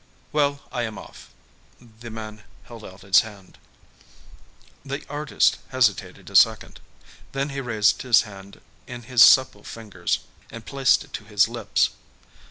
"Well, I am off." The man held out his hand. The artist hesitated a second. Then he raised the hand in his supple fingers and placed it to his lips.